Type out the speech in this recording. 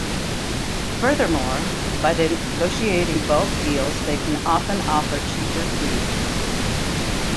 Furthermore, by negotiating bulk deals they can often offer cheaper fees.